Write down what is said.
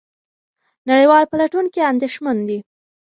نړیوال پلټونکي اندېښمن دي.